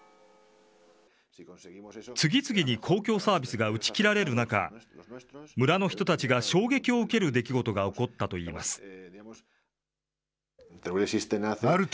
次々に公共サービスが打ち切られる中、村の人たちが衝撃を受ける出来事が起こったといいます。